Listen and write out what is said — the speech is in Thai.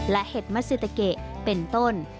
และเห็ดมะซือตะเกะเป็นต้น